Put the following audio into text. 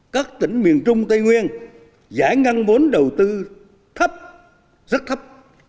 các tỉnh miền trung tây nguyên giải ngân vốn đầu tư thấp rất thấp